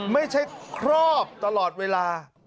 ไม่ใช่ครอบตลอดเวลา